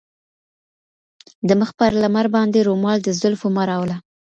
د مخ پر لمر باندي رومال د زلفو مه راوله